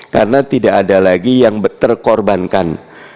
karena tidak ada lagi yang terkorbankan